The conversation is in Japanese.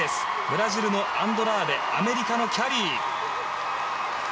ブラジルのアンドラーデアメリカのキャリー。